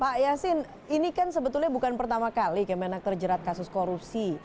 pak yasin ini kan sebetulnya bukan pertama kali kemenak terjerat kasus korupsi